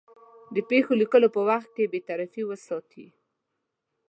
د پېښو لیکلو په وخت کې بېطرفي وساتي.